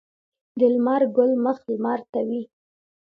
د لمر ګل مخ لمر ته وي